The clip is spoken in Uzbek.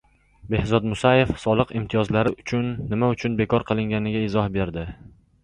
Behzod Musayev soliq imtiyozlari nima uchun bekor qilinganiga izoh berdi